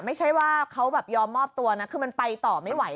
ไม่ใช่ว่าเขาแบบยอมมอบตัวนะคือมันไปต่อไม่ไหว